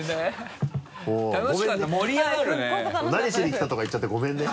何しに来たとか言っちゃってごめんね。